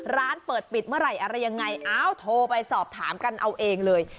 ร้านเปิดปิดเมื่อไหร่อะไรยังไงอ้าวโทรไปสอบถามกันเอาเองเลย